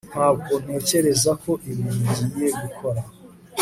ntabwo ntekereza ko ibi bigiye gukora